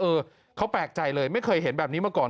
เออเขาแปลกใจเลยไม่เคยเห็นแบบนี้มาก่อน